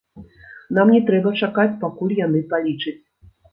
Нам не трэба чакаць, пакуль яны палічаць.